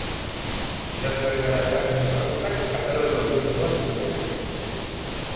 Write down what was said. Idazlearen arabera, agotak kataroen oinordekoak izan daitezke.